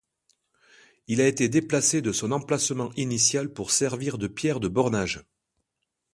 Il a été déplacé de son emplacement initial pour servir de pierre de bornage.